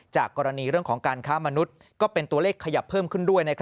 กรณีเรื่องของการค้ามนุษย์ก็เป็นตัวเลขขยับเพิ่มขึ้นด้วย